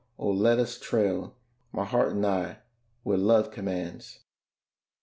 oh, let us trail, My heart and I, where love commands.